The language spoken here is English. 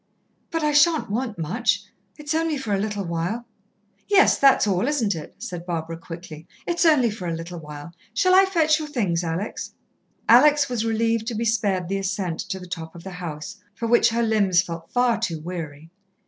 "But I shan't want much. It's only for a little while." "Yes, that's all, isn't it?" said Barbara quickly. "It's only for a little while. Shall I fetch your things, Alex?" Alex was relieved to be spared the ascent to the top of the house, for which her limbs felt far too weary.